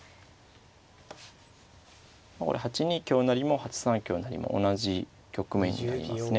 これ８二香成も８三香成も同じ局面になりますね。